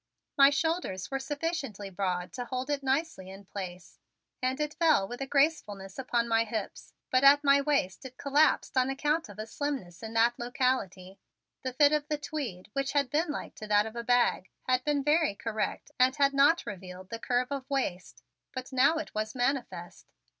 My shoulders were sufficiently broad to hold it nicely in place and it fell with a gracefulness upon my hips, but at my waist it collapsed on account of a slimness in that locality. The fit of the tweed, which had been like to that of a bag, had been very correct and had not revealed the curve of waist, but now it was manifest.